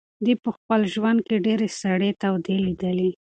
دی په خپل ژوند کې ډېرې سړې تودې لیدلي.